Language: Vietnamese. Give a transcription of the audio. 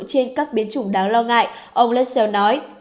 trên các biến chủng đáng lo ngại ông lessell nói